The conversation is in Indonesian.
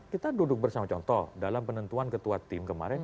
kita duduk bersama contoh dalam penentuan ketua tim kemarin